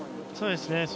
そうですね。